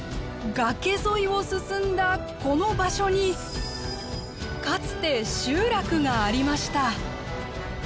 崖沿いを進んだこの場所にかつて集落がありました。